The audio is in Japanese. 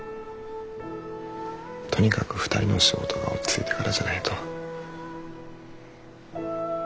とにかく２人の仕事が落ち着いてからじゃないと。